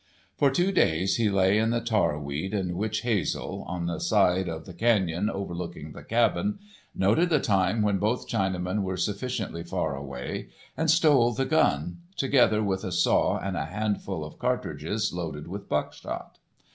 For two days he lay in the tarweed and witch hazel, on the side of the canyon overlooking the cabin, noted the time when both Chinamen were sufficiently far away, and stole the gun, together with a saw and a handful of cartridges loaded with buckshot.